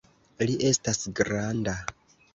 Li estas granda!